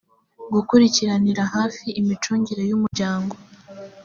gukurikiranira hafi imicungire y’umuryango